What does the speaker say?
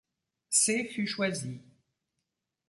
C fut choisie.